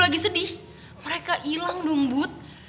gak lagi sedih mereka ilang dumbut